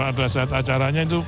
pada saat acaranya itu